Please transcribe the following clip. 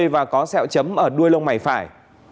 và có sẹo chấm ở đuôi lông mày phải